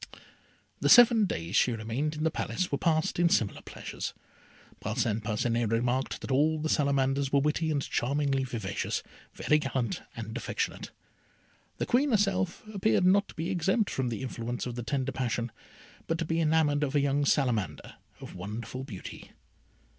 The seven days she remained in the Palace were passed in similar pleasures. Parcin Parcinet remarked that all the Salamanders were witty and charmingly vivacious, very gallant and affectionate. The Queen herself appeared not to be exempt from the influence of the tender passion, but to be enamoured of a young Salamander of wonderful beauty.